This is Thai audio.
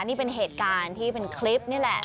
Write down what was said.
นี่เป็นเหตุการณ์ที่เป็นคลิปนี่แหละ